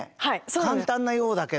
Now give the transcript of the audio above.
簡単なようだけど。